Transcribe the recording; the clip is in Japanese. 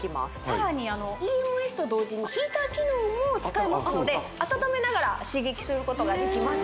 さらにＥＭＳと同時にヒーター機能も使えますので温めながら刺激することができます